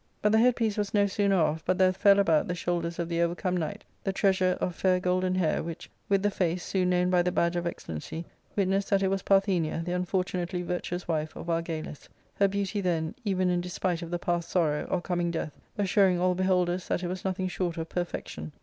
But the headpiece was no sooner off but that there fell about the shoulders of the overcome knight the treasure of fair golden hair, which, >vith the face, soon known by the badge of excellency, witnessed that it was Parthenia, the unfortu nately virtuous wife of Argalus ; her beauty then, even in de spite of the passed sorrow, or coming death, assuring all beholders that it was nothing short of perfection.